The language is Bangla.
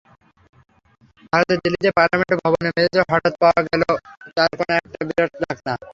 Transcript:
ভারতের দিল্লিতে পার্লামেন্ট ভবনের মেঝেতে হঠাৎ পাওয়া গেল চারকোনা একটা বিরাট ঢাকনা।